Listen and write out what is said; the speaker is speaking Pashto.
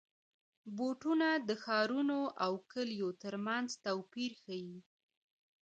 بوټونه د ښارونو او کلیو ترمنځ توپیر ښيي.